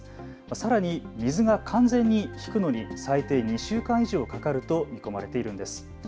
さらに水が完全に引くのに最低２週間以上かかると見込まれているんです。